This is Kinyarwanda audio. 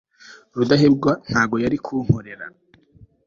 rudahigwa ntabwo yari kunkorera